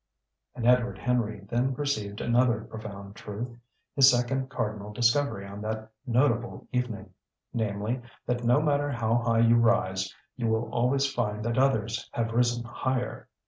And Edward Henry then perceived another profound truth, his second cardinal discovery on that notable evening; namely, that no matter how high you rise, you will always find that others have risen higher.